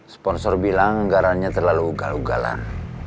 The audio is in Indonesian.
sponsor bilang garannya terlalu gal galan